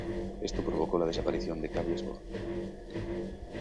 Esto provocó la desaparición de Cable Sport.